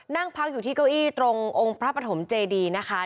นั่งพักอยู่ที่เก้าอี้ตรงองค์พระปฐมเจดีนะคะ